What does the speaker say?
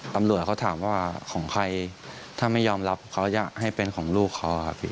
ตำรวจเขาถามว่าของใครถ้าไม่ยอมรับเขาจะให้เป็นของลูกเขาครับพี่